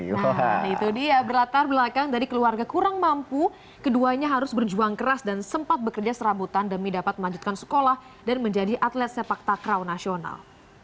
nah itu dia berlatar belakang dari keluarga kurang mampu keduanya harus berjuang keras dan sempat bekerja serabutan demi dapat melanjutkan sekolah dan menjadi atlet sepak takraw nasional